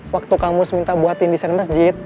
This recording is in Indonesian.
waktu kamu minta buatin desain masjid